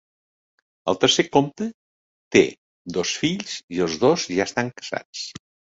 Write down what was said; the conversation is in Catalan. El tercer comte té dos fills i els dos ja estan casats.